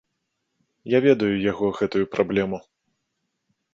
Я ведаю яго гэтую праблему.